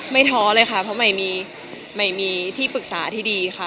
ไม่ท้อเลยคะเพราะใหม่ที่มีหลักรายที่ปรึกษาที่ดีค่ะ